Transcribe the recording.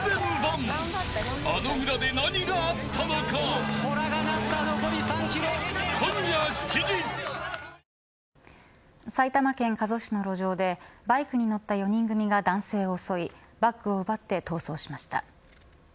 中国では先月から埼玉県加須市の路上でバイクに乗った４人組が男性を襲いバッグを奪って逃走しました。